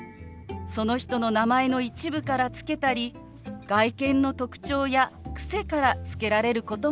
その人の名前の一部から付けたり外見の特徴や癖から付けられることもあります。